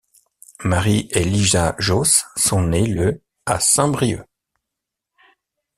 Marie et Elisa Josse sont nées le à Saint-Brieuc.